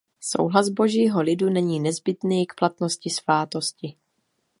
Souhlas Božího lidu není nezbytný k platnosti svátostí.